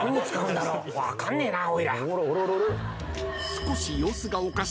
［少し］